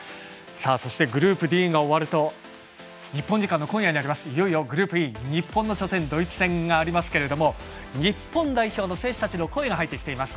そして、グループＤが終わると日本時間の今夜いよいよグループＥ日本の初戦ドイツ戦がありますが日本代表の選手たちの声が入ってきています。